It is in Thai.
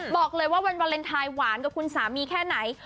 บอกเลยว่าวันวาเลนไทยหวานกับคุณสามีแค่ไหน